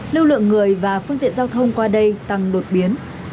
lưu lượng người và phương tiện giao thông qua đây tăng đột biến